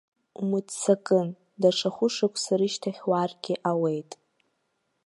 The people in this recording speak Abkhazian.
Умыццакын, даҽа хәышықәса рышьҭахь уааргьы ауеит.